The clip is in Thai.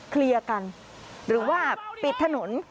เคลียร์กันหรือว่าปิดถนน